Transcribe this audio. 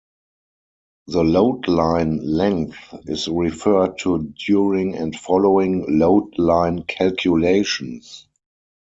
The load line length is referred to during and following load line calculations.